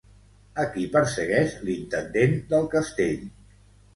A qui persegueix l'intendent del castell?